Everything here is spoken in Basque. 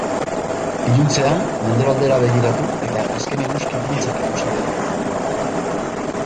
Iluntzean mendebaldera begiratu eta azken eguzki printzak ikusi genituen.